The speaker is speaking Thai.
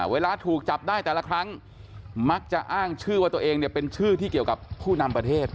เวลาถูกจับได้แต่ละครั้งมักจะอ้างชื่อว่าตัวเองเนี่ยเป็นชื่อที่เกี่ยวกับผู้นำประเทศ